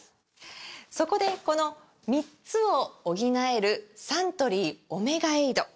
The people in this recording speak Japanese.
そこでこの３つを補えるサントリー「オメガエイド」！